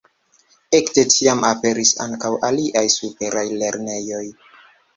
Ekde tiam aperis ankaŭ aliaj superaj lernejoj.